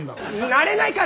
なれないから！